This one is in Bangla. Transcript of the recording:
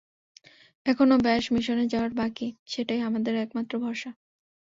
এখনও ব্যাশ মিশনে যাওয়ার বাকি, সেটাই আমাদের একমাত্র আশা ভরসা!